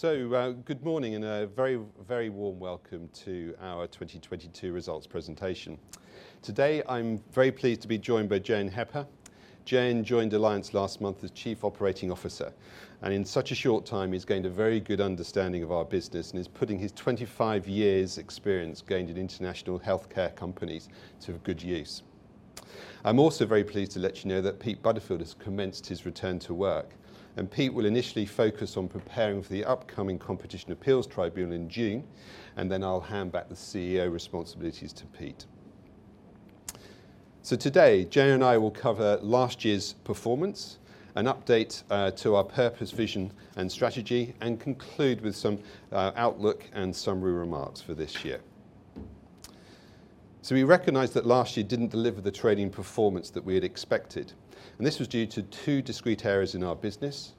Good morning and a very, very warm welcome to our 2022 results presentation. Today I'm very pleased to be joined by Jeyan Heper. Jeyan joined Alliance last month as Chief Operating Officer, and in such a short time he's gained a very good understanding of our business and is putting his 25 years' experience gained in international healthcare companies to good use. I'm also very pleased to let you know that Pete Butterfield has commenced his return to work, and Pete will initially focus on preparing for the upcoming Competition Appeal Tribunal in June, and then I'll hand back the CEO responsibilities to Pete. Today, Jeyan and I will cover last year's performance, an update to our purpose, vision and strategy, and conclude with some outlook and summary remarks for this year. We recognize that last year didn't deliver the trading performance that we had expected, and this was due to two discrete areas in our business.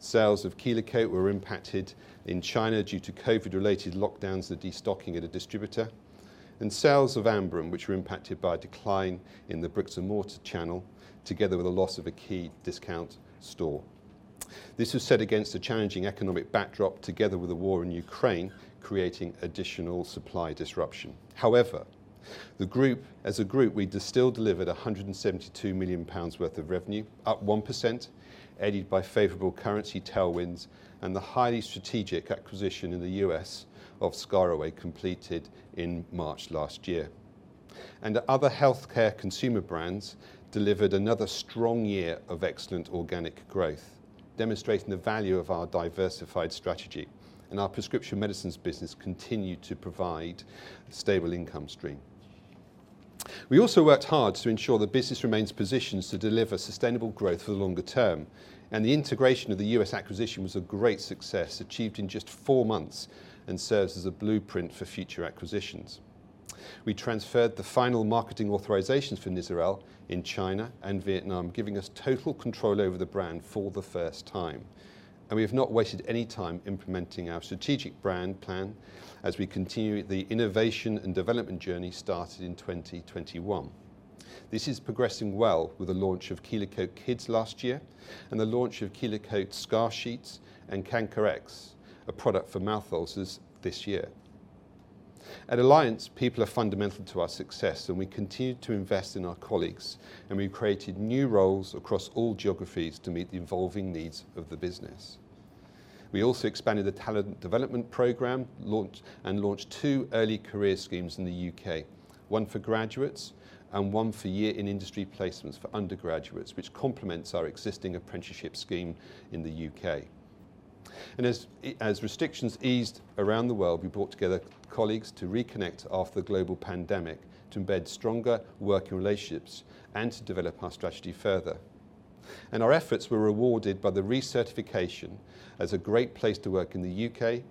Sales of KELO-COTE were impacted in China due to COVID-related lockdowns, the destocking of the distributor and sales of Amberen, which were impacted by a decline in the bricks and mortar channel, together with the loss of a key discount store. This was set against a challenging economic backdrop, together with the war in Ukraine, creating additional supply disruption. However, as a group, we still delivered 172 million pounds worth of revenue, up 1%, aided by favorable currency tailwinds and the highly strategic acquisition in the U.S. of ScarAway completed in March last year. Other healthcare consumer brands delivered another strong year of excellent organic growth, demonstrating the value of our diversified strategy and our prescription medicines business continued to provide a stable income stream. We also worked hard to ensure the business remains positioned to deliver sustainable growth for the longer term. The integration of the U.S. acquisition was a great success achieved in just four months and serves as a blueprint for future acquisitions. We transferred the final marketing authorizations for Nizoral in China and Vietnam, giving us total control over the brand for the first time. We have not wasted any time implementing our strategic brand plan as we continue the innovation and development journey started in 2021. This is progressing well with the launch of KELO-COTE Kids last year and the launch of KELO-COTE Scar Sheets and Canker-X, a product for mouth ulcers, this year. At Alliance, people are fundamental to our success. We continue to invest in our colleagues. We've created new roles across all geographies to meet the evolving needs of the business. We also expanded the talent development program and launched two early career schemes in the U.K., one for graduates and one for year in industry placements for undergraduates, which complements our existing apprenticeship scheme in the U.K.. As restrictions eased around the world, we brought together colleagues to reconnect after the global pandemic, to embed stronger working relationships and to develop our strategy further. Our efforts were rewarded by the recertification as a Great Place To Work in the U.K.,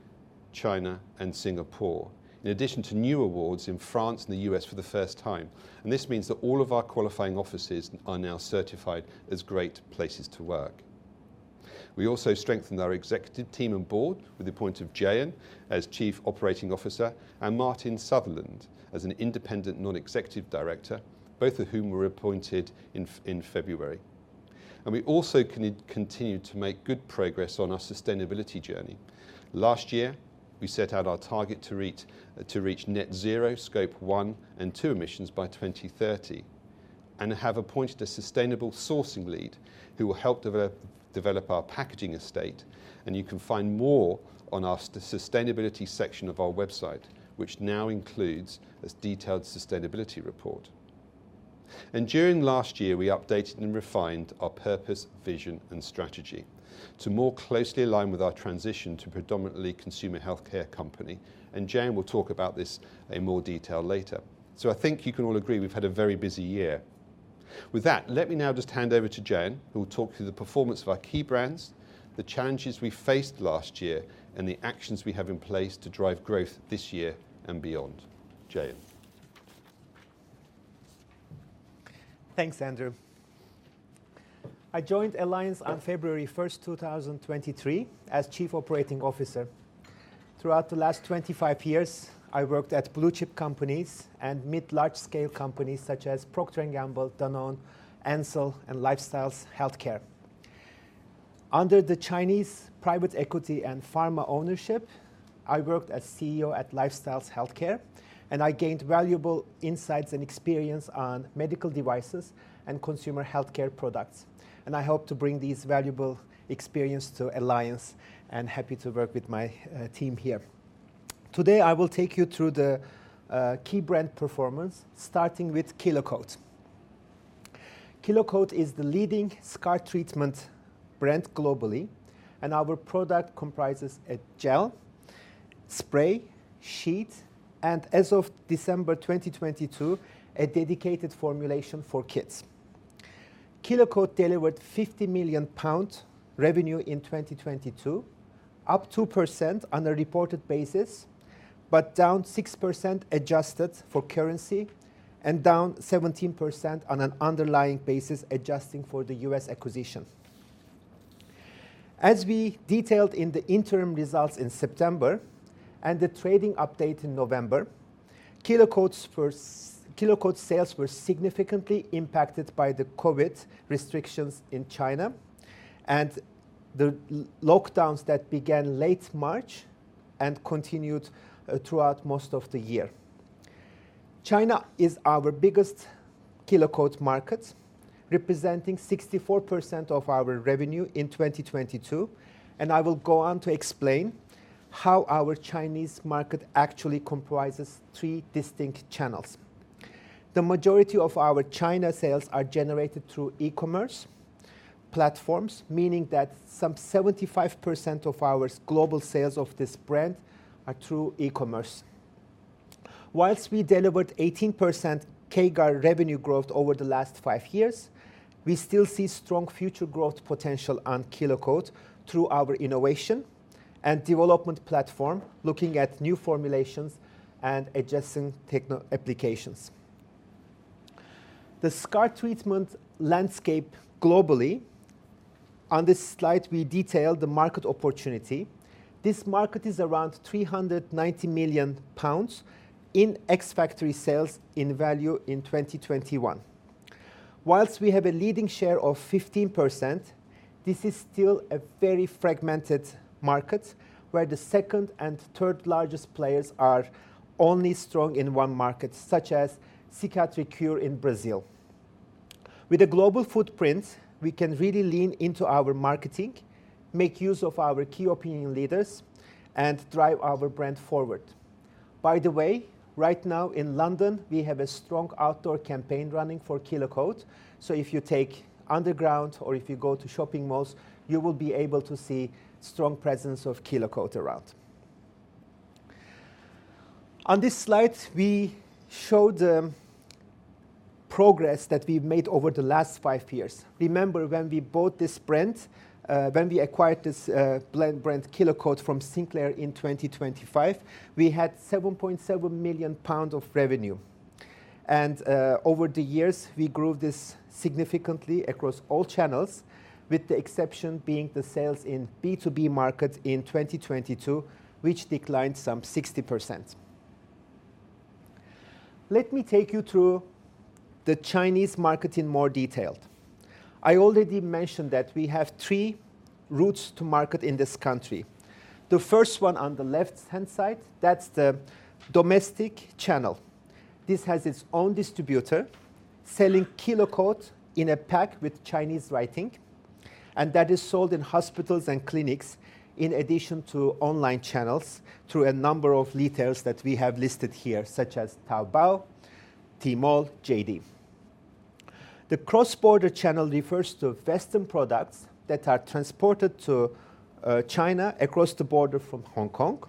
China and Singapore, in addition to new awards in France and the U.S. for the first time. This means that all of our qualifying offices are now certified as Great Places To Work. We also strengthened our executive team and board with the appointment of Jeyan as Chief Operating Officer and Martin Sutherland as an Independent Non-Executive Director, both of whom were appointed in February. We also continue to make good progress on our sustainability journey. Last year we set out our target to reach net zero Scope one and two emissions by 2030, and have appointed a sustainable sourcing lead who will help develop our packaging estate. You can find more on our sustainability section of our website, which now includes a detailed sustainability report. During last year we updated and refined our purpose, vision and strategy to more closely align with our transition to predominantly consumer healthcare company. Can will talk about this in more detail later. I think you can all agree we've had a very busy year. With that, let me now just hand over to Jeyan, who will talk through the performance of our key brands, the challenges we faced last year and the actions we have in place to drive growth this year and beyond. Jeyan. Thanks, Andrew. I joined Alliance on February 1st, 2023 as chief operating officer. Throughout the last 25 years, I worked at blue chip companies and mid large scale companies such as Procter & Gamble, Danone, Ansell and LifeStyles Healthcare. Under the Chinese private equity and pharma ownership, I worked as CEO at LifeStyles Healthcare. I gained valuable insights and experience on medical devices and consumer healthcare products. I hope to bring these valuable experience to Alliance and happy to work with my team here. Today, I will take you through the key brand performance, starting with KELO-COTE. KELO-COTE is the leading scar treatment brand globally and our product comprises a gel, spray, sheet and as of December 2022, a dedicated formulation for kids. KELO-COTE delivered 50 million pounds revenue in 2022, up 2% on a reported basis, but down 6% adjusted for currency and down 17% on an underlying basis adjusting for the U.S. acquisition. As we detailed in the interim results in September. The trading update in November. KELO-COTE sales were significantly impacted by the COVID restrictions in China and the lockdowns that began late March and continued throughout most of the year. China is our biggest KELO-COTE market, representing 64% of our revenue in 2022, I will go on to explain how our Chinese market actually comprises three distinct channels. The majority of our China sales are generated through e-commerce platforms, meaning that some 75% of our global sales of this brand are through e-commerce. Whilst we delivered 18% CAGR revenue growth over the last five years, we still see strong future growth potential on KELO-COTE through our innovation and development platform, looking at new formulations and adjacent techno applications. The scar treatment landscape globally, on this slide we detail the market opportunity. This market is around 390 million pounds in ex-factory sales in value in 2021. Whilst we have a leading share of 15%, this is still a very fragmented market where the second and third largest players are only strong in one market, such as Cicatricure in Brazil. With a global footprint, we can really lean into our marketing, make use of our key opinion leaders, and drive our brand forward. By the way, right now in London, we have a strong outdoor campaign running for KELO-COTE. If you take Underground or if you go to shopping malls, you will be able to see strong presence of KELO-COTE around. On this slide, we show the progress that we've made over the last five years. Remember when we bought this brand, when we acquired this brand KELO-COTE from Sinclair in 2025, we had 7.7 million pounds of revenue. Over the years, we grew this significantly across all channels, with the exception being the sales in B2B market in 2022, which declined some 60%. Let me take you through the Chinese market in more detail. I already mentioned that we have three routes to market in this country. The first one on the left-hand side, that's the domestic channel. This has its own distributor selling KELO-COTE in a pack with Chinese writing, and that is sold in hospitals and clinics in addition to online channels through a number of retailers that we have listed here, such as Taobao, Tmall, JD. The cross-border channel refers to Western products that are transported to China across the border from Hong Kong.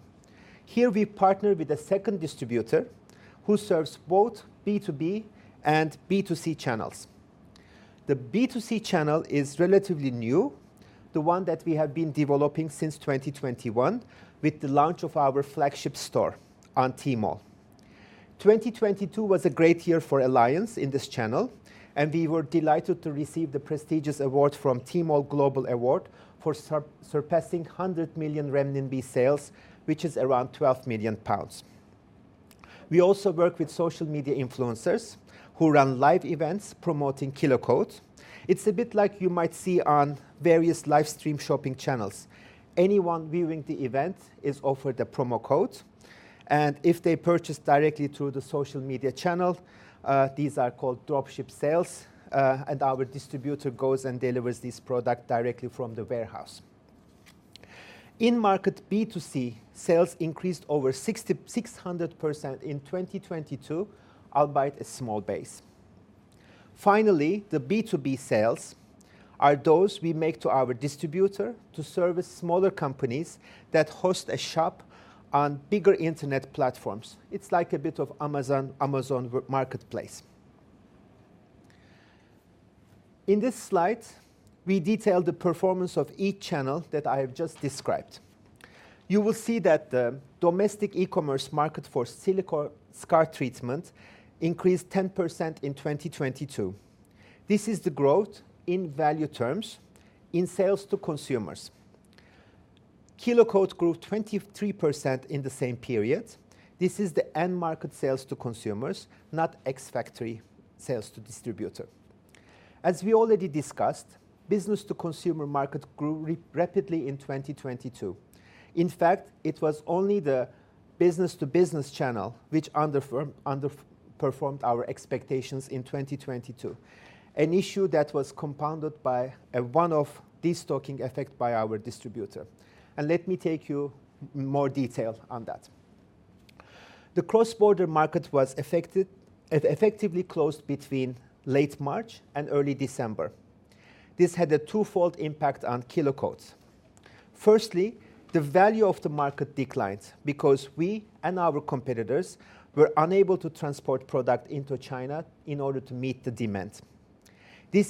Here we partner with a second distributor who serves both B2B and B2C channels. The B2C channel is relatively new, the one that we have been developing since 2021 with the launch of our flagship store on Tmall. 2022 was a great year for Alliance in this channel, and we were delighted to receive the prestigious award from Tmall Global Award for surpassing 100 million renminbi sales, which is around 12 million pounds. We also work with social media influencers who run live events promoting KELO-COTE. It's a bit like you might see on various livestream shopping channels. Anyone viewing the event is offered a promo code, and if they purchase directly through the social media channel, these are called dropship sales, and our distributor goes and delivers this product directly from the warehouse. In market B2C, sales increased over 6,600% in 2022, albeit a small base. Finally, the B2B sales are those we make to our distributor to service smaller companies that host a shop on bigger internet platforms. It's like a bit of Amazon Marketplace. In this slide, we detail the performance of each channel that I have just described. You will see that the domestic e-commerce market for silicone scar treatment increased 10% in 2022. This is the growth in value terms in sales to consumers. KELO-COTE grew 23% in the same period. This is the end market sales to consumers, not ex-factory sales to distributor. As we already discussed, business-to-consumer market grew rapidly in 2022. In fact, it was only the business-to-business channel which underperformed our expectations in 2022, an issue that was compounded by a one-off destocking effect by our distributor. Let me take you more detail on that. The cross-border market was effectively closed between late March and early December. This had a twofold impact on KELO-COTE. Firstly, the value of the market declined because we and our competitors were unable to transport product into China in order to meet the demand. This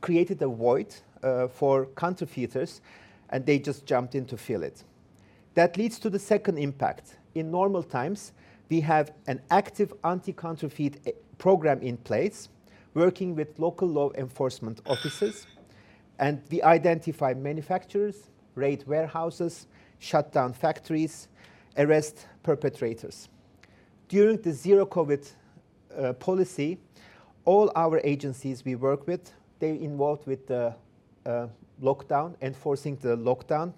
created a void for counterfeiters, and they just jumped in to fill it. That leads to the second impact. In normal times, we have an active anti-counterfeit program in place working with local law enforcement officers. We identify manufacturers, raid warehouses, shut down factories, arrest perpetrators. During the zero COVID policy, all our agencies we work with, they involved with the lockdown, enforcing the lockdown,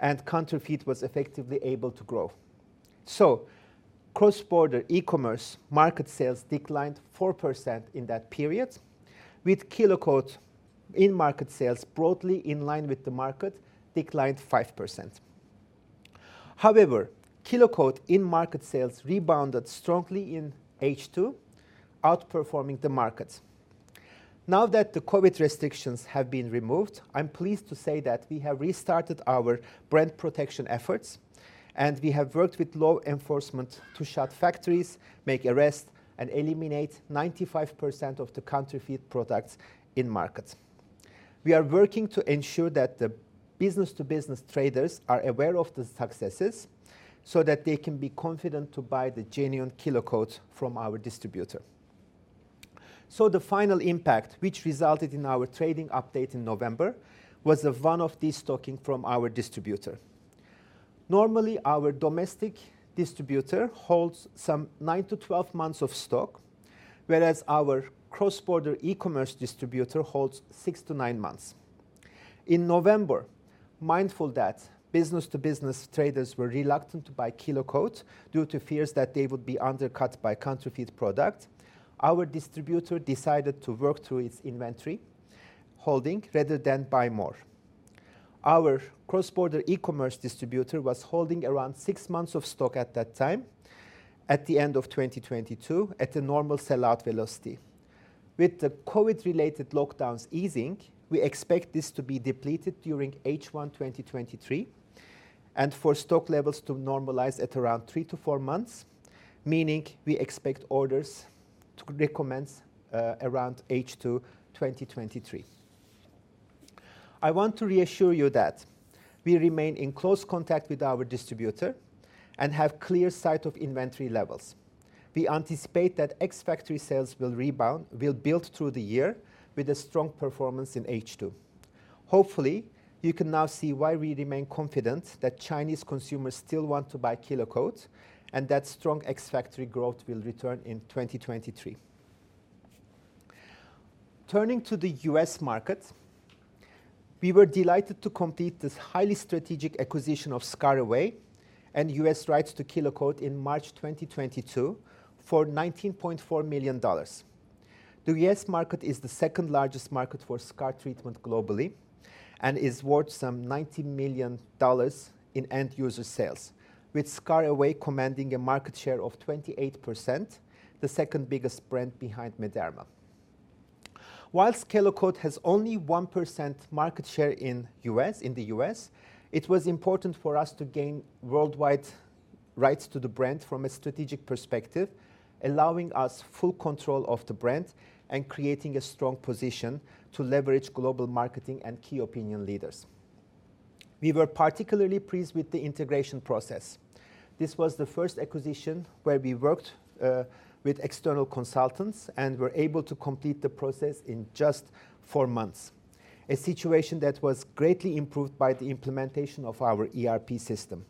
and counterfeit was effectively able to grow. Cross-border e-commerce market sales declined 4% in that period, with KELO-COTE in-market sales broadly in line with the market declined 5%. However, KELO-COTE in-market sales rebounded strongly in H2, outperforming the market. Now that the COVID restrictions have been removed, I'm pleased to say that we have restarted our brand protection efforts. We have worked with law enforcement to shut factories, make arrests, and eliminate 95% of the counterfeit products in-market. We are working to ensure that the business-to-business traders are aware of the successes so that they can be confident to buy the genuine KELO-COTE from our distributor. The final impact, which resulted in our trading update in November, was the one of destocking from our distributor. Normally, our domestic distributor holds some nine to 12 months of stock, whereas our cross-border e-commerce distributor holds six to nine months. In November, mindful that business-to-business traders were reluctant to buy KELO-COTE due to fears that they would be undercut by counterfeit product, our distributor decided to work through its inventory holding rather than buy more. Our cross-border e-commerce distributor was holding around six months of stock at that time, at the end of 2022, at a normal sell-out velocity. With the COVID-related lockdowns easing, we expect this to be depleted during H1 2023, and for stock levels to normalize at around three to four months, meaning we expect orders to recommence around H2 2023. I want to reassure you that we remain in close contact with our distributor and have clear sight of inventory levels. We anticipate that ex-factory sales will rebound, build through the year with a strong performance in H2. Hopefully, you can now see why we remain confident that Chinese consumers still want to buy KELO-COTE and that strong ex-factory growth will return in 2023. Turning to the U.S. market, we were delighted to complete this highly strategic acquisition of ScarAway and U.S. rights to KELO-COTE in March 2022 for $19.4 million. The U.S. market is the second-largest market for scar treatment globally and is worth some $90 million in end-user sales, with ScarAway commanding a market share of 28%, the second biggest brand behind Mederma. Whilst KELO-COTE has only 1% market share in the U.S., it was important for us to gain worldwide rights to the brand from a strategic perspective, allowing us full control of the brand and creating a strong position to leverage global marketing and key opinion leaders. We were particularly pleased with the integration process. This was the first acquisition where we worked with external consultants and were able to complete the process in just four months, a situation that was greatly improved by the implementation of our ERP system.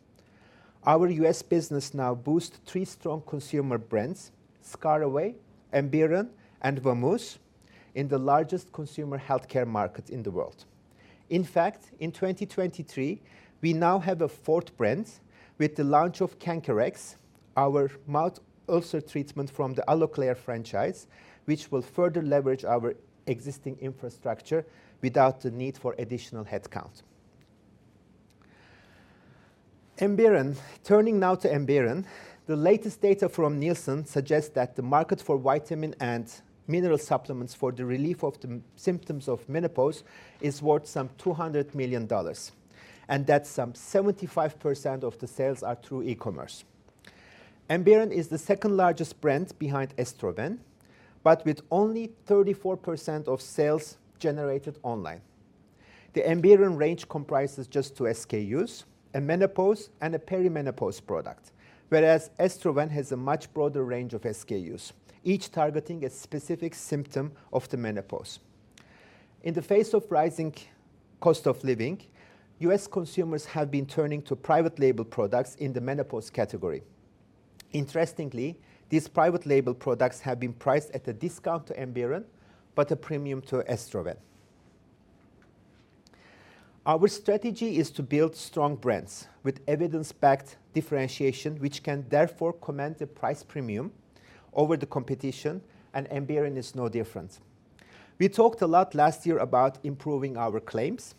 Our U.S. business now boosts three strong consumer brands, ScarAway, Amberen, and Vamousse, in the largest consumer healthcare market in the world. In fact, in 2023, we now have a fourth brand with the launch of Canker-X, our mouth ulcer treatment from the Aloclair franchise, which will further leverage our existing infrastructure without the need for additional headcount. Amberen. Turning now to Amberen, the latest data from Nielsen suggests that the market for vitamin and mineral supplements for the relief of the symptoms of menopause is worth some $200 million, That some 75% of the sales are through e-commerce. Amberen is the second-largest brand behind Estroven, but with only 34% of sales generated online. The Amberen range comprises just two SKUs, a menopause and a perimenopause product, whereas Estroven has a much broader range of SKUs, each targeting a specific symptom of the menopause. In the face of rising cost of living, U.S. consumers have been turning to private label products in the menopause category. Interestingly, these private label products have been priced at a discount to Amberen but a premium to Estroven. Our strategy is to build strong brands with evidence-backed differentiation, which can therefore command a price premium over the competition, and Amberen is no different. We talked a lot last year about improving our claims,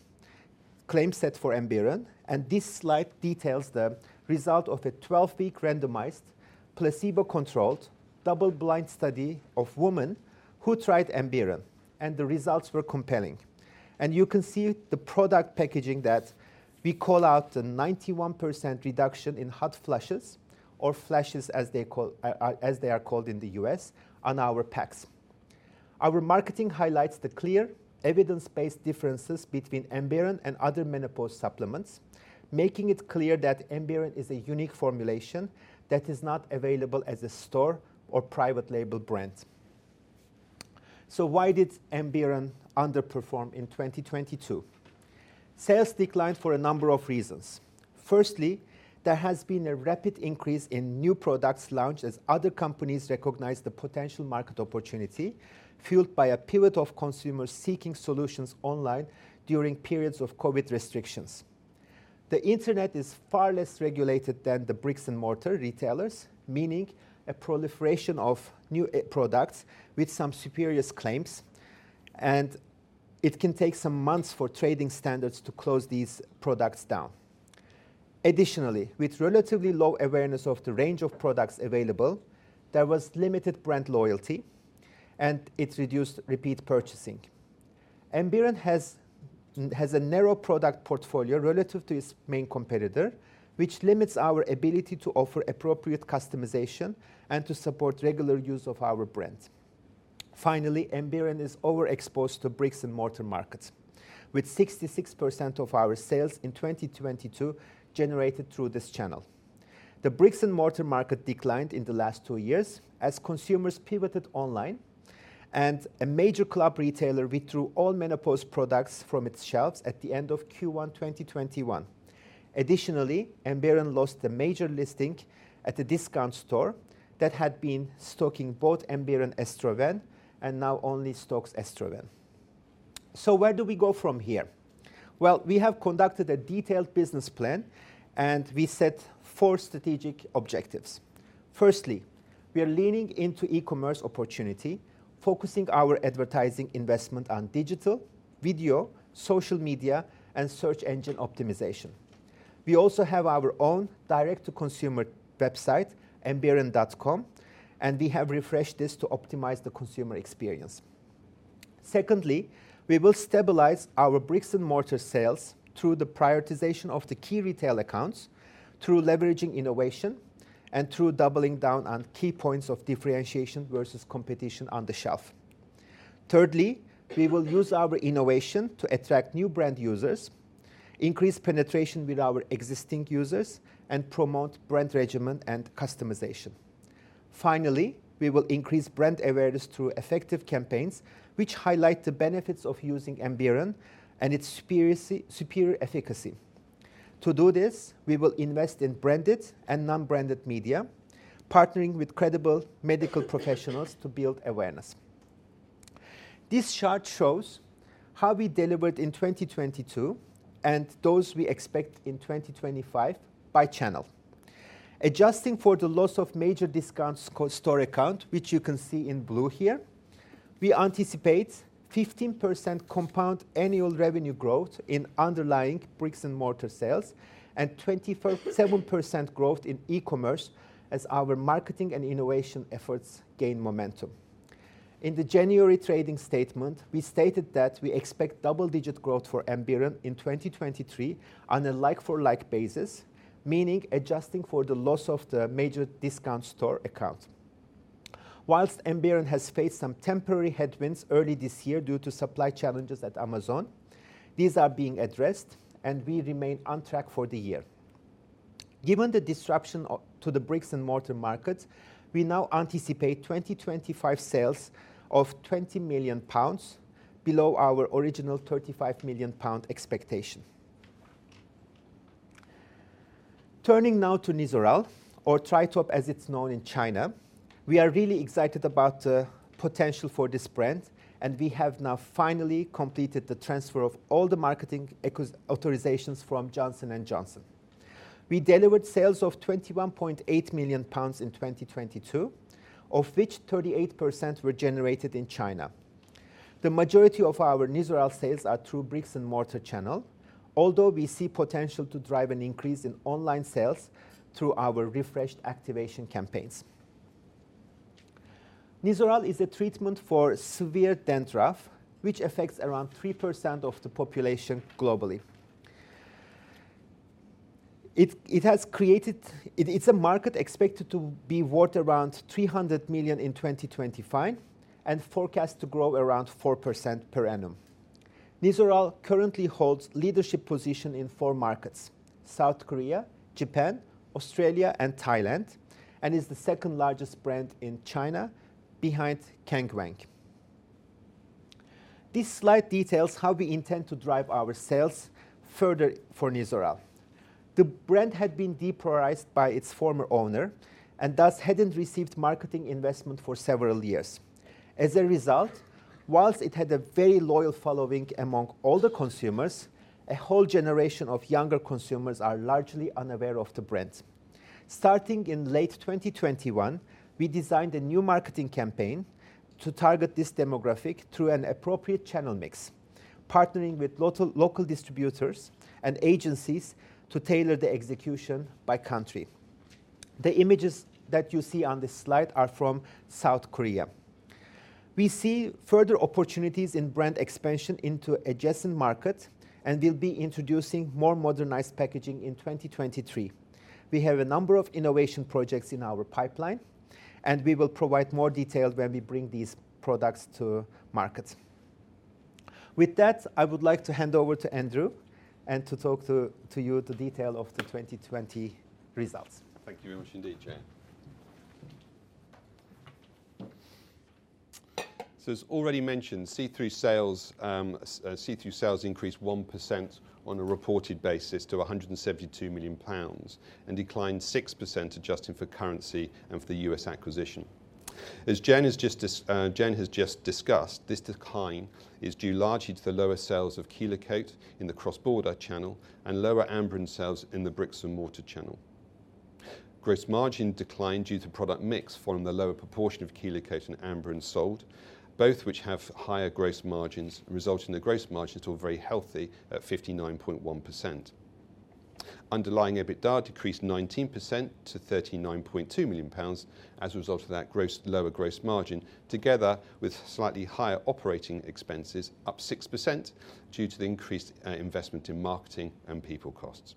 claim set for Amberen, and this slide details the result of a 12-week randomized placebo-controlled double-blind study of women who tried Amberen, and the results were compelling. you can see the product packaging that we call out the 91% reduction in hot flushes, or flashes as they are called in the US, on our packs. Our marketing highlights the clear evidence-based differences between Amberen and other menopause supplements, making it clear that Amberen is a unique formulation that is not available as a store or private label brand. Why did Amberen underperform in 2022? Sales declined for a number of reasons. Firstly, there has been a rapid increase in new products launched as other companies recognize the potential market opportunity, fueled by a pivot of consumers seeking solutions online during periods of COVID restrictions. The Internet is far less regulated than the bricks-and-mortar retailers, meaning a proliferation of new products with some spurious claims, and it can take some months for trading standards to close these products down. Additionally, with relatively low awareness of the range of products available, there was limited brand loyalty, and it reduced repeat purchasing. Amberen has a narrow product portfolio relative to its main competitor, which limits our ability to offer appropriate customization and to support regular use of our brand. Finally, Amberen is overexposed to bricks-and-mortar markets, with 66% of our sales in 2022 generated through this channel. The bricks-and-mortar market declined in the last two years as consumers pivoted online and a major club retailer withdrew all menopause products from its shelves at the end of Q1 2021. Additionally, Amberen lost a major listing at a discount store that had been stocking both Amberen and Estroven and now only stocks Estroven. Where do we go from here? We have conducted a detailed business plan, and we set four strategic objectives. Firstly, we are leaning into e-commerce opportunity, focusing our advertising investment on digital, video, social media, and search engine optimization. We also have our own direct-to-consumer website, Amberen.com, and we have refreshed this to optimize the consumer experience. Secondly, we will stabilize our bricks-and-mortar sales through the prioritization of the key retail accounts, through leveraging innovation, and through doubling down on key points of differentiation versus competition on the shelf. Thirdly, we will use our innovation to attract new brand users, increase penetration with our existing users, and promote brand regimen and customization. Finally, we will increase brand awareness through effective campaigns, which highlight the benefits of using Amberen and its superior efficacy. To do this, we will invest in branded and non-branded media, partnering with credible medical professionals to build awareness. This chart shows how we delivered in 2022 and those we expect in 2025 by channel. Adjusting for the loss of major discount store account, which you can see in blue here, we anticipate 15% compound annual revenue growth in underlying bricks-and-mortar sales and 24.7% growth in e-commerce as our marketing and innovation efforts gain momentum. In the January trading statement, we stated that we expect double-digit growth for Amberen in 2023 on a like for like basis, meaning adjusting for the loss of the major discount store account. Whilst Amberen has faced some temporary headwinds early this year due to supply challenges at Amazon, these are being addressed, and we remain on track for the year. Given the disruption to the bricks-and-mortar markets, we now anticipate 2025 sales of 20 million pounds below our original 35 million pound expectation. Turning now to Nizoral or Triatop as it's known in China, we are really excited about the potential for this brand. We have now finally completed the transfer of all the marketing authorizations from Johnson & Johnson. We delivered sales of 21.8 million pounds in 2022, of which 38% were generated in China. The majority of our Nizoral sales are through bricks-and-mortar channel. We see potential to drive an increase in online sales through our refreshed activation campaigns. Nizoral is a treatment for severe dandruff, which affects around 3% of the population globally. It's a market expected to be worth around 300 million in 2025 and forecast to grow around 4% per annum. Nizoral currently holds leadership position in four markets: South Korea, Japan, Australia, and Thailand, and is the second largest brand in China behind Kang Wang. This slide details how we intend to drive our sales further for Nizoral. The brand had been deprioritized by its former owner and thus hadn't received marketing investment for several years. As a result, while it had a very loyal following among older consumers, a whole generation of younger consumers are largely unaware of the brand. In late 2021, we designed a new marketing campaign to target this demographic through an appropriate channel mix, partnering with local distributors and agencies to tailor the execution by country. The images that you see on this slide are from South Korea. We see further opportunities in brand expansion into adjacent markets, and we'll be introducing more modernized packaging in 2023. We have a number of innovation projects in our pipeline, and we will provide more details when we bring these products to market. With that, I would like to hand over to Andrew and to talk to you the detail of the 2020 results. Thank you very much indeed, Jay. As already mentioned, Q3 sales increased 1% on a reported basis to 172 million pounds and declined 6% adjusting for currency and for the U.S. acquisition. As Jayen has just discussed, this decline is due largely to the lower sales of KELO-COTE in the cross-border channel and lower Amberen sales in the bricks and mortar channel. Gross margin declined due to product mix following the lower proportion of KELO-COTE and Amberen sold, both which have higher gross margins, resulting in the gross margins to a very healthy at 59.1%. Underlying EBITDA decreased 19% to 39.2 million pounds as a result of that lower gross margin, together with slightly higher operating expenses up 6% due to the increased investment in marketing and people costs.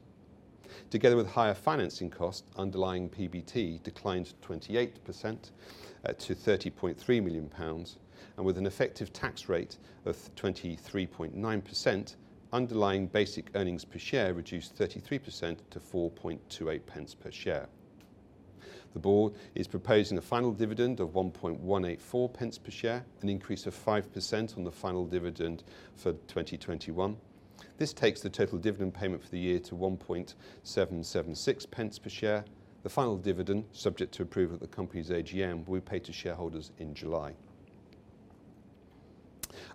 Together with higher financing costs, underlying PBT declined 28% to 30.3 million pounds, and with an effective tax rate of 23.9%, underlying basic earnings per share reduced 33% to 4.28 pence per share. The board is proposing a final dividend of 1.184 pence per share, an increase of 5% on the final dividend for 2021. This takes the total dividend payment for the year to 1.776 pence per share. The final dividend, subject to approval at the company's AGM, will be paid to shareholders in July.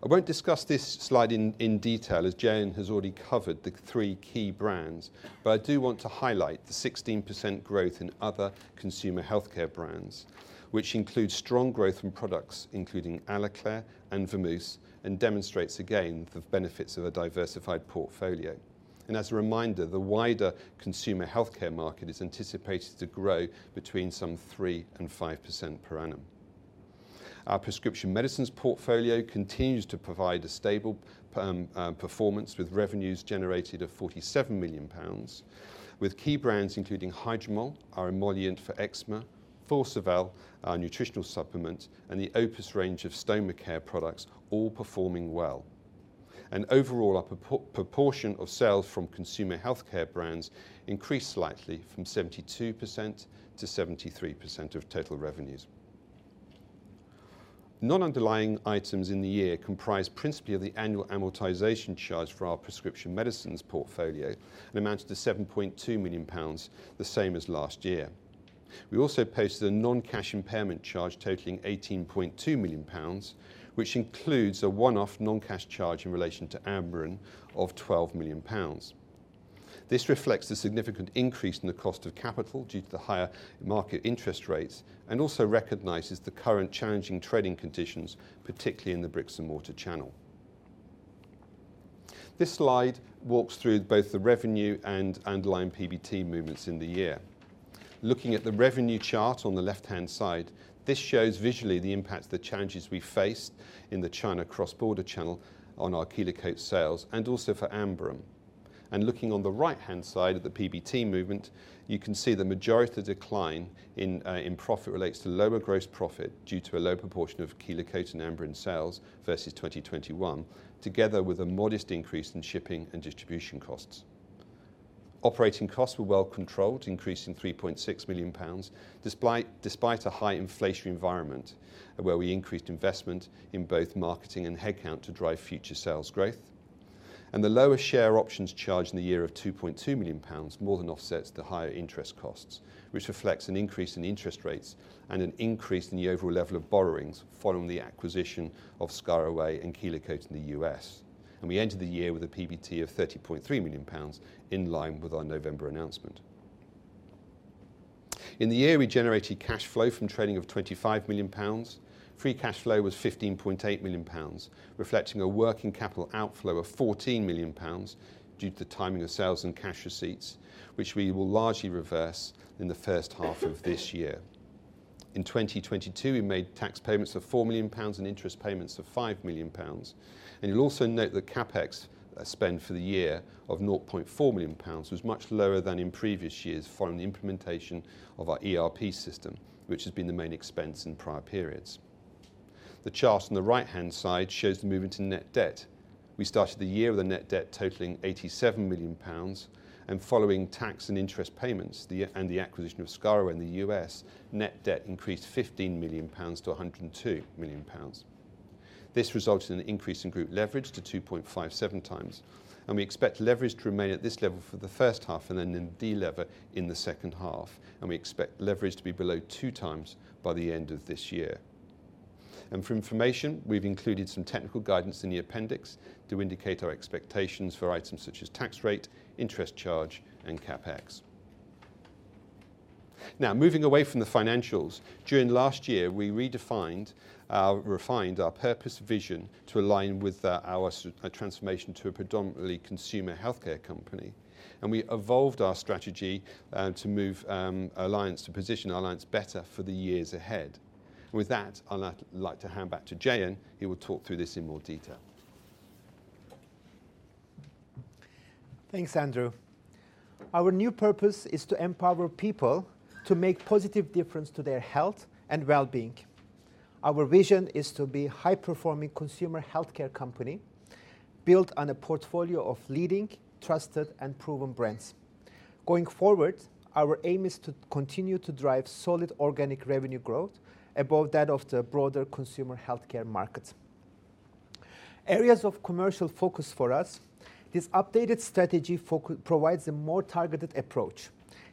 I won't discuss this slide in detail as Jayen has already covered the three key brands. I do want to highlight the 16% growth in other consumer healthcare brands, which includes strong growth in products including Aloclair and Vamousse, and demonstrates again the benefits of a diversified portfolio. As a reminder, the wider consumer healthcare market is anticipated to grow between some 3% and 5% per annum. Our prescription medicines portfolio continues to provide a stable performance with revenues generated of 47 million pounds, with key brands including Hydromol, our emollient for eczema, Forceval, our nutritional supplement, and the Opus range of stoma care products all performing well. Overall, our proportion of sales from consumer healthcare brands increased slightly from 72% to 73% of total revenues. Non-underlying items in the year comprise principally of the annual amortization charge for our prescription medicines portfolio and amounted to 7.2 million pounds, the same as last year. We also posted a non-cash impairment charge totaling 18.2 million pounds, which includes a one-off non-cash charge in relation to Amberen of 12 million pounds. This reflects the significant increase in the cost of capital due to the higher market interest rates and also recognizes the current challenging trading conditions, particularly in the bricks and mortar channel. This slide walks through both the revenue and underlying PBT movements in the year. Looking at the revenue chart on the left-hand side, this shows visually the impact of the challenges we faced in the China cross-border channel on our KELO-COTE sales and also for Amberen. Looking on the right-hand side at the PBT movement, you can see the majority of the decline in profit relates to lower gross profit due to a low proportion of KELO-COTE and Amberen sales versus 2021, together with a modest increase in shipping and distribution costs. Operating costs were well controlled, increasing 3.6 million pounds, despite a high inflationary environment where we increased investment in both marketing and headcount to drive future sales growth. The lower share options charge in the year of 2.2 million pounds more than offsets the higher interest costs, which reflects an increase in interest rates and an increase in the overall level of borrowings following the acquisition of ScarAway and KELO-COTE in the US. We entered the year with a PBT of 30.3 million pounds, in line with our November announcement. In the year, we generated cash flow from trading of 25 million pounds. Free cash flow was 15.8 million pounds, reflecting a working capital outflow of 14 million pounds due to the timing of sales and cash receipts, which we will largely reverse in the first half of this year. In 2022, we made tax payments of 4 million pounds and interest payments of 5 million pounds. You'll also note the CapEx spend for the year of 0.4 million pounds was much lower than in previous years following the implementation of our ERP system, which has been the main expense in prior periods. The chart on the right-hand side shows the movement in net debt. We started the year with a net debt totaling 87 million pounds and following tax and interest payments, and the acquisition of ScarAway in the U.S., net debt increased 15 million pounds to 102 million pounds. This resulted in an increase in group leverage to 2.57x, and we expect leverage to remain at this level for the first half and then de-lever in the second half. We expect leverage to be below 2x by the end of this year. For information, we've included some technical guidance in the appendix to indicate our expectations for items such as tax rate, interest charge, and CapEx. Moving away from the financials, during last year, we refined our purpose vision to align with our transformation to a predominantly consumer healthcare company, and we evolved our strategy to move Alliance to position Alliance better for the years ahead. With that, I'll now like to hand back to Jayen, who will talk through this in more detail. Thanks, Andrew. Our new purpose is to empower people to make positive difference to their health and well-being. Our vision is to be high-performing consumer healthcare company built on a portfolio of leading, trusted, and proven brands. Our aim is to continue to drive solid organic revenue growth above that of the broader consumer healthcare market. Areas of commercial focus for us, this updated strategy provides a more targeted approach,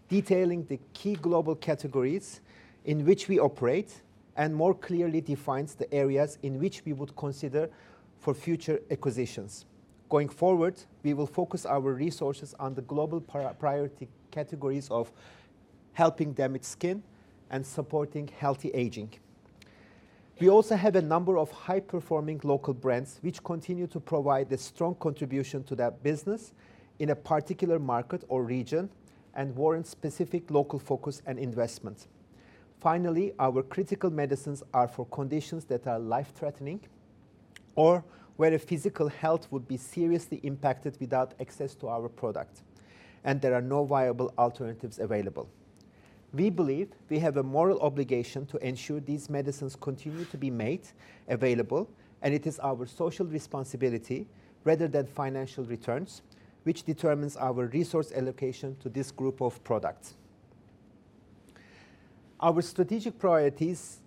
detailing the key global categories in which we operate and more clearly defines the areas in which we would consider for future acquisitions. We will focus our resources on the global priority categories of helping damaged skin and supporting healthy aging. We also have a number of high-performing local brands which continue to provide a strong contribution to that business in a particular market or region and warrant specific local focus and investment. Finally, our critical medicines are for conditions that are life-threatening or where a physical health would be seriously impacted without access to our product. There are no viable alternatives available. We believe we have a moral obligation to ensure these medicines continue to be made available. It is our social responsibility rather than financial returns, which determines our resource allocation to this group of products. Our strategic priorities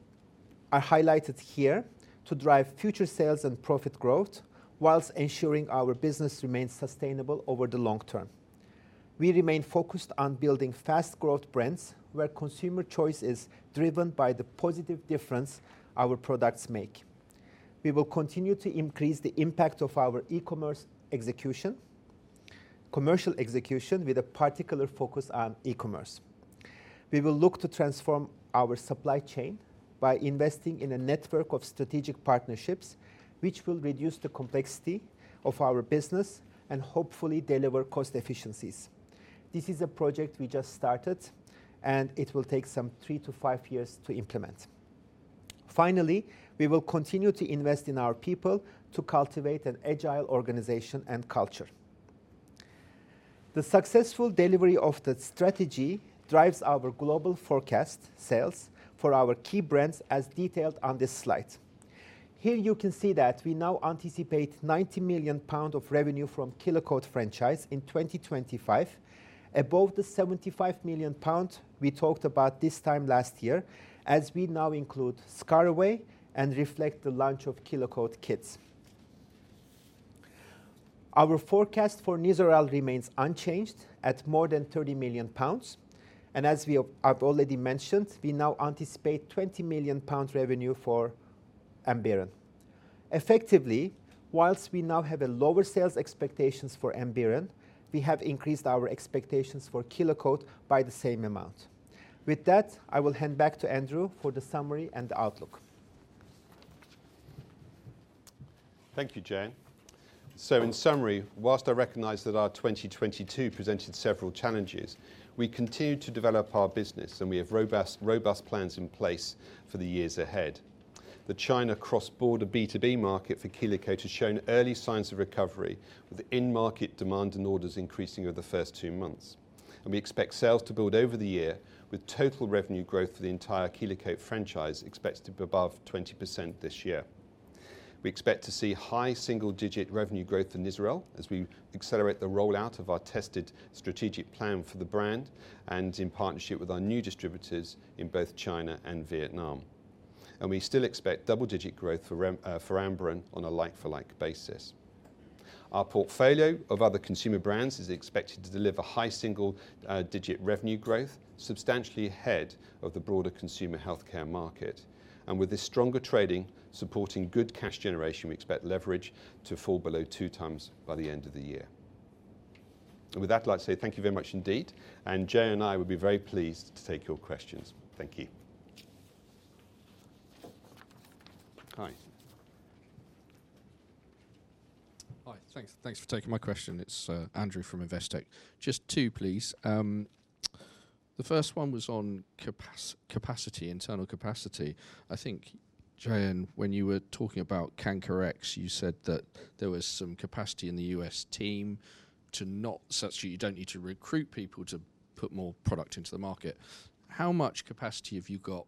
are highlighted here to drive future sales and profit growth while ensuring our business remains sustainable over the long term. We remain focused on building fast growth brands where consumer choice is driven by the positive difference our products make. We will continue to increase the impact of our commercial execution with a particular focus on e-commerce. We will look to transform our supply chain by investing in a network of strategic partnerships, which will reduce the complexity of our business and hopefully deliver cost efficiencies. This is a project we just started, and it will take some three to five years to implement. We will continue to invest in our people to cultivate an agile organization and culture. The successful delivery of the strategy drives our global forecast sales for our key brands as detailed on this slide. Here you can see that we now anticipate 90 million pounds of revenue from KELO-COTE franchise in 2025 above the 75 million pounds we talked about this time last year as we now include ScarAway and reflect the launch of KELO-COTE kits. Our forecast for Nizoral remains unchanged at more than 30 million pounds, and as I've already mentioned, we now anticipate 20 million pounds revenue for Amberen. Effectively, whilst we now have a lower sales expectations for Amberen, we have increased our expectations for KELO-COTE by the same amount. With that, I will hand back to Andrew for the summary and outlook. Thank you, Jeyan. In summary, whilst I recognize that our 2022 presented several challenges, we continue to develop our business, and we have robust plans in place for the years ahead. The China cross-border B2B market for KELO-COTE has shown early signs of recovery, with in-market demand and orders increasing over the first two months. We expect sales to build over the year, with total revenue growth for the entire KELO-COTE franchise expected above 20% this year. We expect to see high single-digit revenue growth in Israel as we accelerate the rollout of our tested strategic plan for the brand and in partnership with our new distributors in both China and Vietnam. We still expect double-digit growth for Amberen on a like-for-like basis. Our portfolio of other consumer brands is expected to deliver high single digit revenue growth, substantially ahead of the broader consumer healthcare market. With this stronger trading supporting good cash generation, we expect leverage to fall below 2x by the end of the year. With that, I'd like to say thank you very much indeed, and Jayan and I would be very pleased to take your questions. Thank you. Hi. Hi. Thanks for taking my question. It's Andrew from Investec. Just two, please. The first one was on capacity, internal capacity. I think, Jayan, when you were talking about Canker-X, you said that there was some capacity in the U.S. team such that you don't need to recruit people to put more product into the market. How much capacity have you got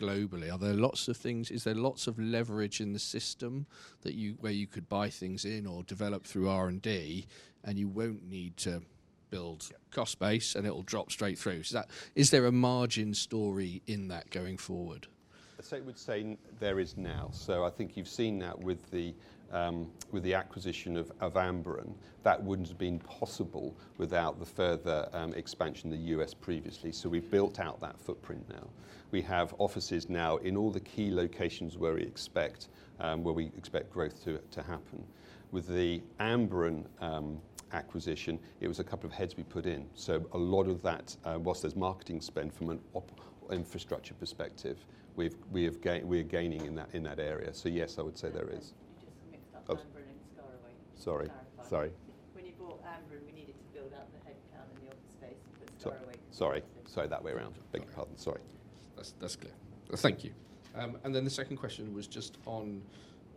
globally? Are there lots of things? Is there lots of leverage in the system that you, where you could buy things in or develop through R&D, and you won't need to build cost base, and it'll drop straight through? That, is there a margin story in that going forward? I would say there is now. I think you've seen that with the acquisition of Amberen. That wouldn't have been possible without the further expansion in the U.S. previously. We've built out that footprint now. We have offices now in all the key locations where we expect growth to happen. With the Amberen acquisition, it was a couple of heads we put in. A lot of that whilst there's marketing spend from an infrastructure perspective, we're gaining in that area. Yes, I would say there is. You just mixed up Amberen and ScarAway. Sorry. To clarify. Sorry. When you bought Amberen, we needed to build out the headcount and the office space, but ScarAway- Sorry, that way around. Beg your pardon. Sorry. That's clear. Thank you. Then the second question was just on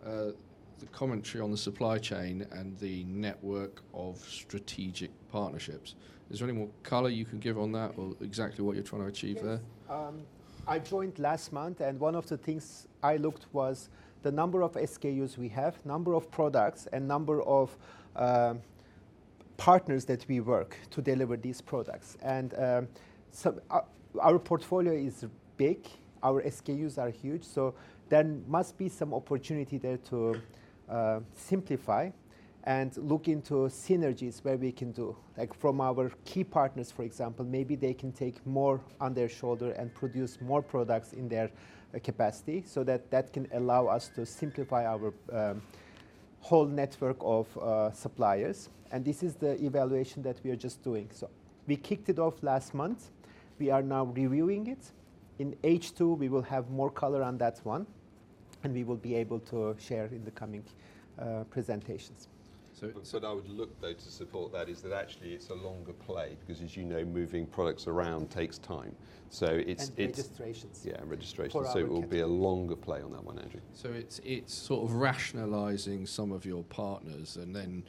the commentary on the supply chain and the network of strategic partnerships. Is there any more color you can give on that or exactly what you're trying to achieve there? Yes. I joined last month, one of the things I looked was the number of SKUs we have, number of products, and number of partners that we work to deliver these products. Our portfolio is big. Our SKUs are huge. There must be some opportunity there to simplify and look into synergies where we can do. Like from our key partners, for example, maybe they can take more on their shoulder and produce more products in their capacity so that can allow us to simplify our whole network of suppliers. This is the evaluation that we are just doing. We kicked it off last month. We are now reviewing it. In H2, we will have more color on that one, and we will be able to share in the coming presentations. So- What I would look though to support that is that actually it's a longer play because as you know, moving products around takes time. Registrations. Yeah. Registrations. For our category. It will be a longer play on that one, Andrew. It's sort of rationalizing some of your partners and then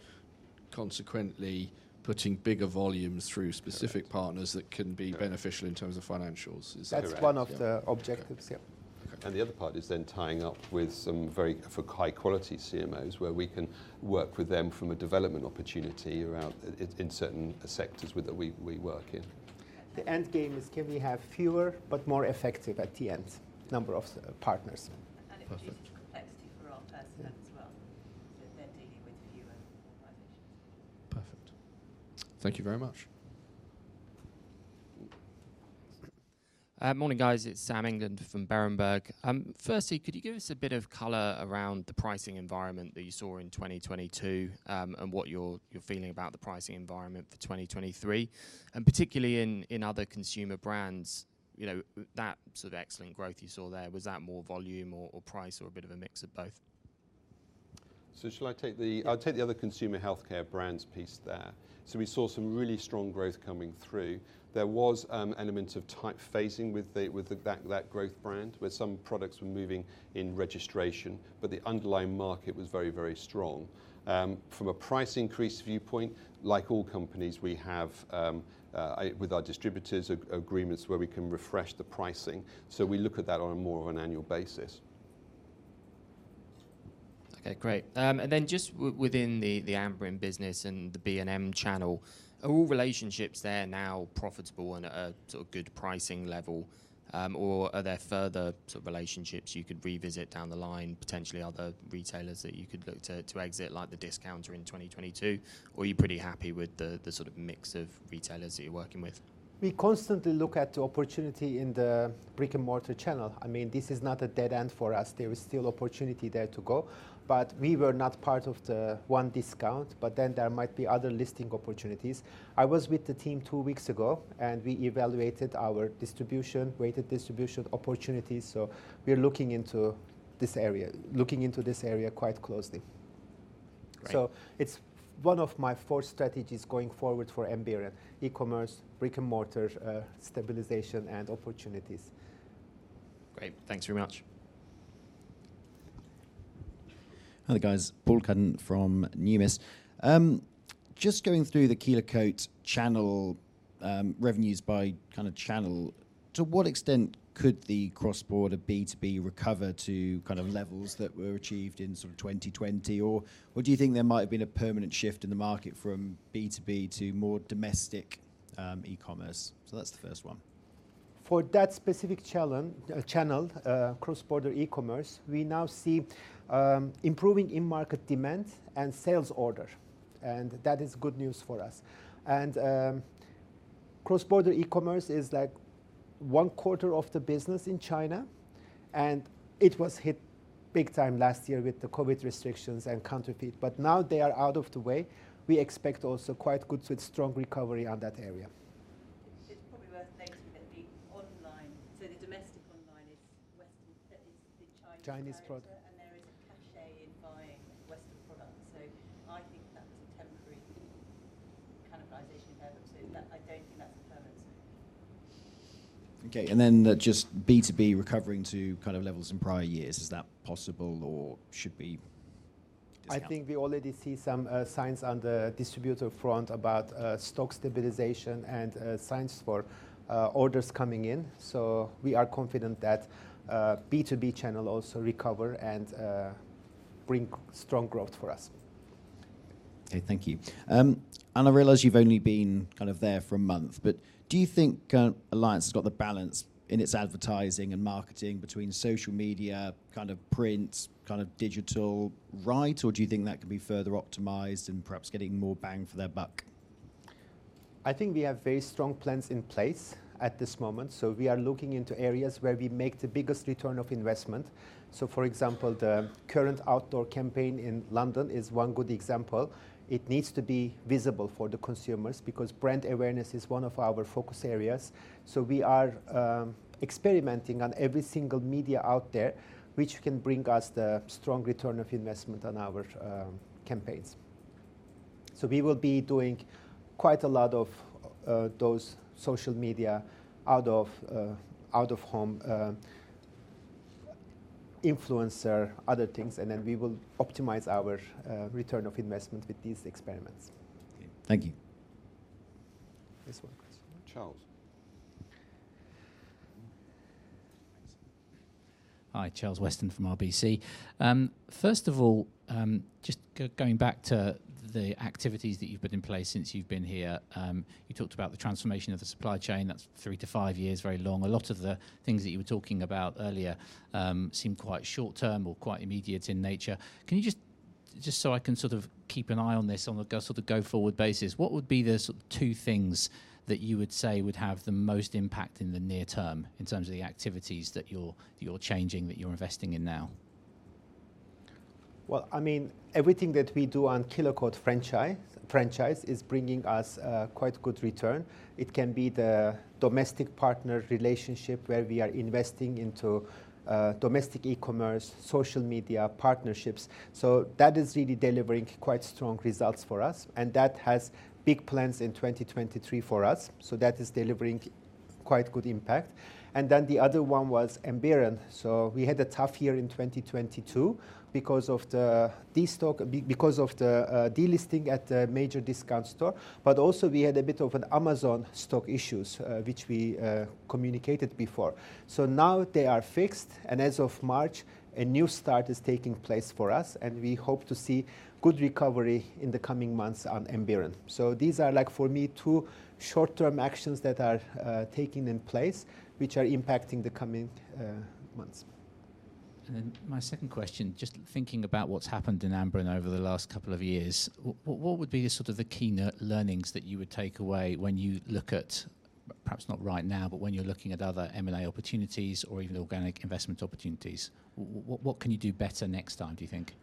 consequently putting bigger volumes through specific partners that can be beneficial in terms of financials. That's one of the objectives. Yeah. Okay. The other part is then tying up with some very high quality CMOs, where we can work with them from a development opportunity around, in certain sectors with that we work in. The end game is can we have fewer but more effective at the end number of partners. Perfect. It reduces complexity for our personnel as well. They're dealing with fewer organizations. Perfect. Thank you very much. Morning, guys. It's Sam England from Berenberg. Firstly, could you give us a bit of color around the pricing environment that you saw in 2022, and what you're feeling about the pricing environment for 2023? Particularly in other consumer brands, you know, that sort of excellent growth you saw there, was that more volume or price or a bit of a mix of both? Shall I take the other consumer healthcare brands piece there. We saw some really strong growth coming through. There was elements of type phasing with the growth brand, where some products were moving in registration, but the underlying market was very, very strong. From a price increase viewpoint, like all companies, we have with our distributors agreements where we can refresh the pricing. We look at that on a more of an annual basis. Okay. Great. Within the Amberen business and the B&M channel, are all relationships there now profitable and at a sort of good pricing level, or are there further sort of relationships you could revisit down the line, potentially other retailers that you could look to exit like the discounter in 2022, or are you pretty happy with the sort of mix of retailers that you're working with? We constantly look at the opportunity in the brick-and-mortar channel. I mean, this is not a dead end for us. There is still opportunity there to go. We were not part of the one discount, but then there might be other listing opportunities. I was with the team two weeks ago, and we evaluated our distribution, weighted distribution opportunities, we are looking into this area quite closely. Great. It's one of my four strategies going forward for Amberen: e-commerce, brick-and-mortar, stabilization, and opportunities. Great. Thanks very much. Hi, guys. Paul Cuddon from Numis. Just going through the KELO-COTE channel, revenues by kind of channel, to what extent could the cross-border B2B recover to levels that were achieved in sort of 2020? Or do you think there might have been a permanent shift in the market from B2B to more domestic e-commerce? That's the first one. For that specific channel, cross-border e-commerce, we now see improving in-market demand and sales order, and that is good news for us. cross-border e-commerce is like 1 quarter of the business in China, and it was hit big time last year with the COVID restrictions and counterfeit. Now they are out of the way. We expect also quite good with strong recovery on that area. It's probably worth noting that the online, so the domestic online is Western, is the Chinese provider. Chinese product. and there is a cachet in buying Western products. I think that was a temporary cannibalization there. That, I don't think that's permanent. Okay. Just B2B recovering to kind of levels in prior years. Is that possible or should we discount? I think we already see some signs on the distributor front about stock stabilization and signs for orders coming in. We are confident that B2B channel also recover and bring strong growth for us. Okay. Thank you. I realize you've only been kind of there for a month, but do you think Alliance has got the balance in its advertising and marketing between social media, kind of print, kind of digital right? Do you think that could be further optimized and perhaps getting more bang for their buck? I think we have very strong plans in place at this moment. We are looking into areas where we make the biggest return of investment. For example, the current outdoor campaign in London is one good example. It needs to be visible for the consumers because brand awareness is one of our focus areas. We are experimenting on every single media out there which can bring us the strong return of investment on our campaigns. We will be doing quite a lot of those social media out of out of home influencer, other things, and then we will optimize our return of investment with these experiments. Okay. Thank you. This one. Charles. Hi, Charles Weston from RBC. First of all, going back to the activities that you've put in place since you've been here. You talked about the transformation of the supply chain, that's three to five years, very long. A lot of the things that you were talking about earlier, seem quite short-term or quite immediate in nature. Can you just so I can sort of keep an eye on this on a sort of go forward basis, what would be the sort of two things that you would say would have the most impact in the near term in terms of the activities that you're changing, that you're investing in now? Well, I mean, everything that we do on KELO-COTE franchise is bringing us quite good return. It can be the domestic partner relationship where we are investing into domestic e-commerce, social media partnerships. That is really delivering quite strong results for us, and that has big plans in 2023 for us. That is delivering quite good impact. The other one was Amberen. We had a tough year in 2022 because of the destock because of the delisting at a major discount store. Also we had a bit of an Amazon stock issues, which we communicated before. Now they are fixed, and as of March, a new start is taking place for us, and we hope to see good recovery in the coming months on Amberen. These are like for me, two short-term actions that are taking in place, which are impacting the coming months. My second question, just thinking about what's happened in Amberen over the last couple of years. What, what would be the sort of the key learnings that you would take away when you look at, perhaps not right now, but when you're looking at other M&A opportunities or even organic investment opportunities. What, what can you do better next time, do you think?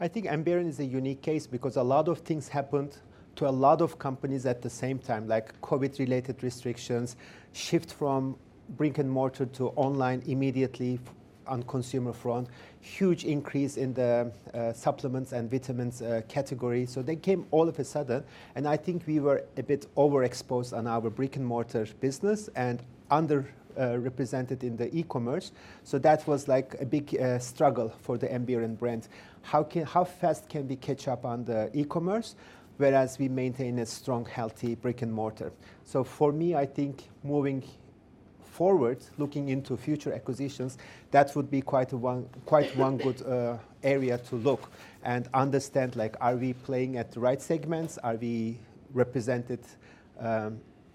I think Amberen is a unique case because a lot of things happened to a lot of companies at the same time, like COVID-related restrictions, shift from brick-and-mortar to online immediately on consumer front, huge increase in the supplements and vitamins category. They came all of a sudden, and I think we were a bit overexposed on our brick-and-mortar business and under represented in the e-commerce. That was like a big struggle for the Amberen brand. How fast can we catch up on the e-commerce whereas we maintain a strong, healthy brick-and-mortar? For me, I think moving forward, looking into future acquisitions, that would be quite one good area to look and understand, like, are we playing at the right segments? Are we represented,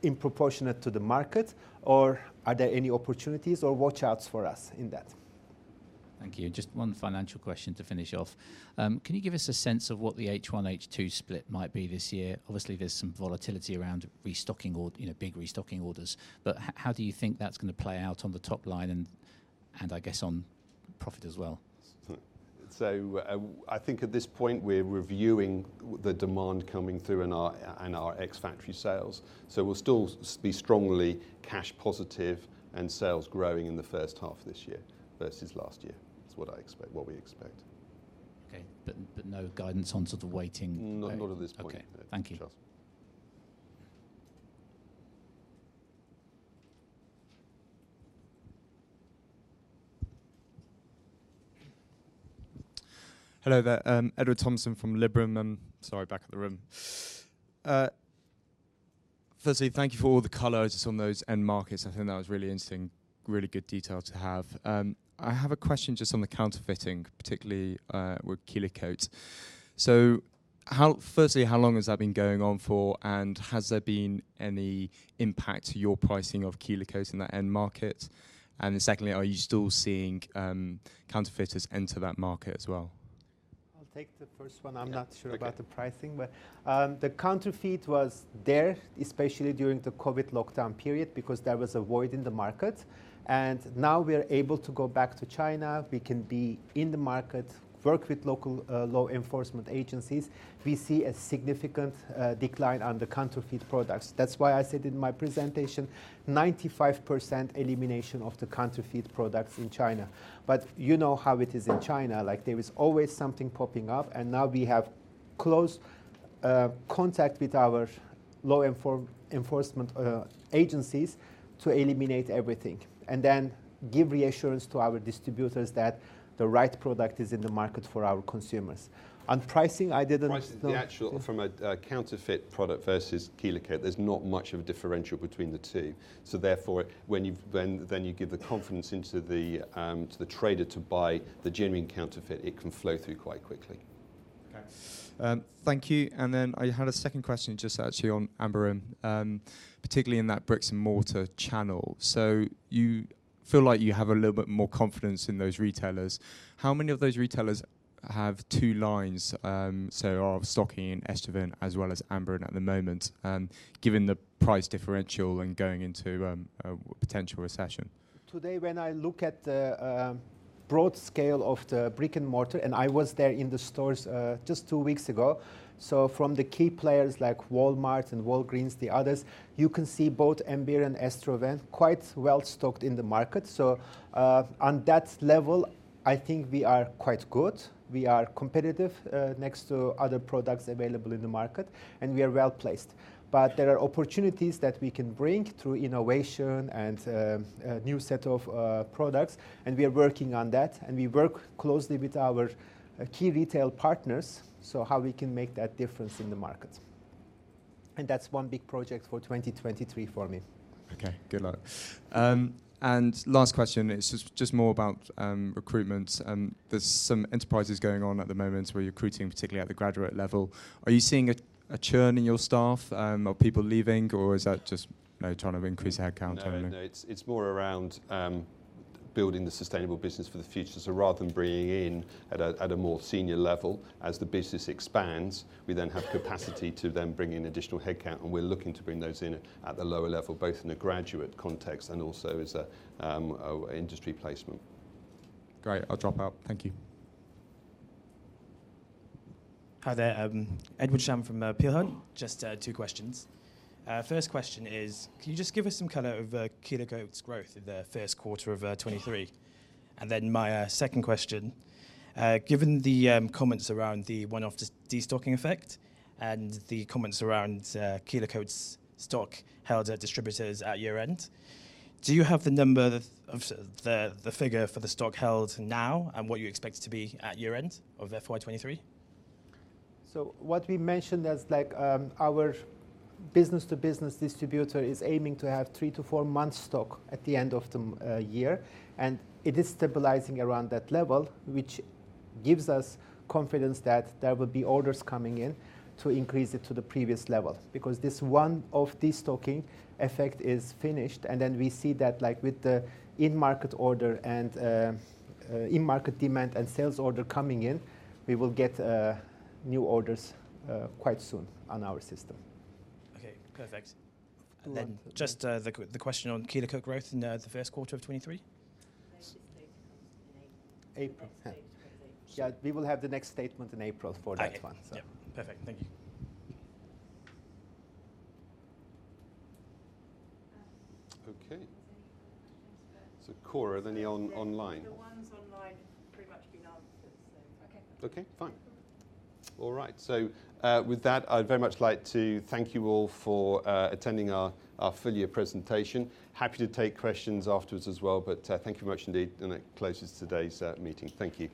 in proportionate to the market, or are there any opportunities or watch-outs for us in that? Thank you. Just 1 financial question to finish off. Can you give us a sense of what the H1, H2 split might be this year? Obviously, there's some volatility around restocking or, you know, big restocking orders. How do you think that's gonna play out on the top line and I guess on profit as well? I think at this point we're reviewing the demand coming through in our, in our ex-factory sales. We'll still be strongly cash positive and sales growing in the first half of this year versus last year. Is what I expect, what we expect. Okay. No guidance on sort of weighting. Not at this point. Okay. Thank you. Charles. Hello there. Edward Thomason from Liberum. I'm sorry, back of the room. Firstly, thank you for all the colors on those end markets. I think that was really interesting, really good detail to have. I have a question just on the counterfeiting, particularly, with KELO-COTE. Firstly, how long has that been going on for, and has there been any impact to your pricing of KELO-COTE in that end market? Secondly, are you still seeing counterfeiters enter that market as well? I'll take the first one. I'm not sure about the pricing, but the counterfeit was there, especially during the COVID lockdown period, because there was a void in the market. Now we are able to go back to China, we can be in the market, work with local law enforcement agencies. We see a significant decline on the counterfeit products. That's why I said in my presentation, 95% elimination of the counterfeit products in China. You know how it is in China, like, there is always something popping up, and now we have close contact with our law enforcement agencies to eliminate everything and then give reassurance to our distributors that the right product is in the market for our consumers. On pricing, I didn't- Pricing. No... from a counterfeit product versus KELO-COTE, there's not much of a differential between the two. Therefore, then you give the confidence into the trader to buy the genuine counterfeit, it can flow through quite quickly. Okay. Thank you. I had a second question just actually on Amberen, particularly in that bricks-and-mortar channel. You feel like you have a little bit more confidence in those retailers. How many of those retailers have two lines, so are stocking Estroven as well as Amberen at the moment, given the price differential and going into a potential recession? Today when I look at the broad scale of the brick-and-mortar, and I was there in the stores just two weeks ago. From the key players like Walmart and Walgreens, the others, you can see both Amberen and Estroven quite well-stocked in the market. On that level I think we are quite good. We are competitive next to other products available in the market, and we are well-placed. There are opportunities that we can bring through innovation and a new set of products, and we are working on that. We work closely with our key retail partners, so how we can make that difference in the market. That's one big project for 2023 for me. Okay. Good luck. Last question, it's just more about recruitment. There's some enterprises going on at the moment where you're recruiting particularly at the graduate level. Are you seeing a churn in your staff, are people leaving or is that just, you know, trying to increase headcount only? No, no, it's more around building the sustainable business for the future. Rather than bringing in at a more senior level as the business expands, we then have capacity to then bring in additional headcount, and we're looking to bring those in at the lower level, both in a graduate context and also as a industry placement. Great. I'll drop out. Thank you. Hi there. Edward Sham from Peel Hunt. Just two questions. First question is, can you just give us some color of KELO-COTE's growth in the first quarter of 2023? My second question, given the comments around the one-off destocking effect and the comments around KELO-COTE's stock held at distributors at year-end, do you have the figure for the stock held now and what you expect it to be at year-end of FY 2023? What we mentioned as like, our business-to-business distributor is aiming to have three to four months stock at the end of the year. It is stabilizing around that level, which gives us confidence that there will be orders coming in to increase it to the previous level because this one-off destocking effect is finished. We see that like with the in-market order and in-market demand and sales order coming in, we will get new orders quite soon on our system. Okay. Perfect. Just the question on KELO-COTE growth in the first quarter of 2023. April. Yeah, we will have the next statement in April for that one. Okay. Yep. Perfect. Thank you. Okay. Cora, are there any online? Okay, fine. All right. With that, I'd very much like to thank you all for attending our full year presentation. Happy to take questions afterwards as well, thank you much indeed, and that closes today's meeting. Thank you.